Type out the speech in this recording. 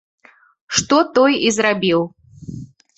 Што той і зрабіў.